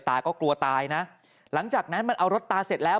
กลัวตายนะหลังจากนั้นมันเอารถตาเสร็จแล้ว